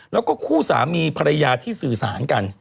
แล้วก็คู่สามีภรรยาที่สื่อสารกัน